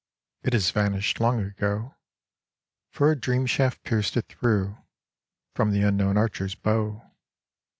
It has vanished long ago, For a dream shaft pierced it through From the Unknown Archer's bow.